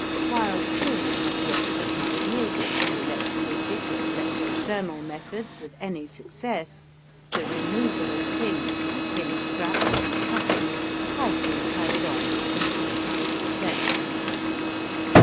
While tin as yet has not yielded to electrolytic or electro thermal methods with any success, the removal of tin from tin scraps and cuttings has been carried on with considerable success.